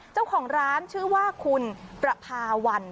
เจ้าของร้านชื่อว่าคุณประพาวัน